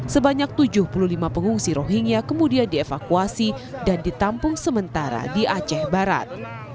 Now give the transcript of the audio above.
sebanyak tujuh puluh lima pengungsi rohingya kemudian dievakuasi dan ditampung sementara di aceh barat